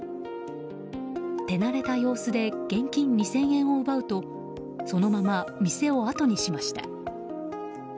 手慣れた様子で現金２０００円を奪うとそのまま店をあとにしました。